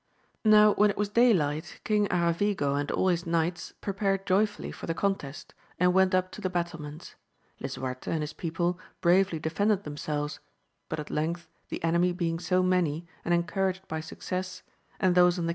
Now, when it was daylight. King Aravigo and all his knights prepared joyfully for the contest, and went up to the battlements. Lisuarte and his people bravely defended themselves, but at length, the enemy being so many, and encouraged by success, and those on the